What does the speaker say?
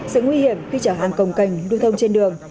sự nguy hiểm khi chở hàng cồng cành lưu thông trên đường